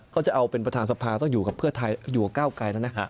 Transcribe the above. ก็จะเอาเป็นประธานสภาต้องอยู่กับเพื่อไทยอยู่กับก้าวไกลนั้นนะฮะ